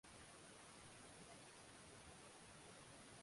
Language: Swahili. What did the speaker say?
wakati ambayo marais watano kutoka au